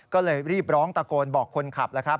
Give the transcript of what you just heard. ก็เลยรีบร้องตะโกนบอกคนขับ